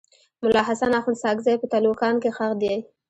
ملا حسن اخند ساکزی په تلوکان کي ښخ دی.